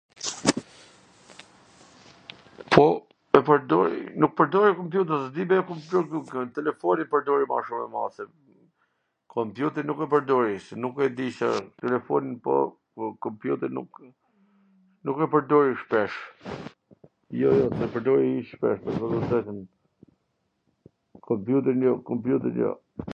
po, e pwrdori..., nuk pwrdori kompjuter, s di nga kompjuter un ... telefonin pwrdori ma shum ... kompjuterin nuk e pwrdori se nuk e disha punwn... po kompjuterin nuk e pwrdori shpesh, jo, jo, nuk e pwrdori shpesh, me thwn tw drejtwn, kompjuterin jo, kompjuterin jo.